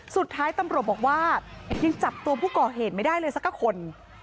สุดท้ายตำรวจบอกว่ายังจับตัวผู้ก่อเหตุไม่ได้เลยสักคน